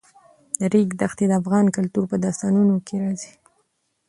د ریګ دښتې د افغان کلتور په داستانونو کې راځي.